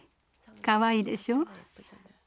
かわいいでしょう？